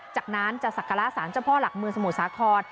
จากนั้นจะศักระสารเจ้าพ่อหลักเมืองสมุทรสาคร